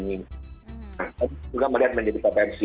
nah kita juga melihat pendidik potensi